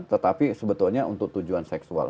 tetapi sebetulnya untuk tujuan seksual